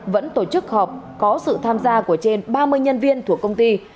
vẫn tổ chức họp có sự tham gia của trên ba mươi nhân viên thuộc công ty